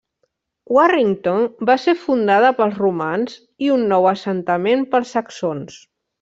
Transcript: Warrington va ser fundada pels Romans i un nou assentament pels saxons.